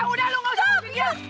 kamu harus pulang kamu harus pulang